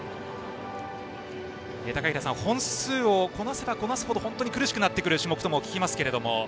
本数をこなせばこなすほど本当に苦しくなってくる種目とも聞きますけど。